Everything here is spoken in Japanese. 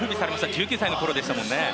１９歳のころでしたもんね。